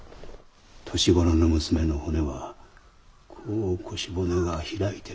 年頃の娘の骨はこう腰骨が開いてるはずです。